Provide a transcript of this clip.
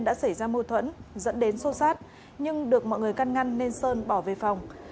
đã xảy ra mâu thuẫn dẫn đến xô xát nhưng được mọi người căn ngăn nên sơn bỏ về phòng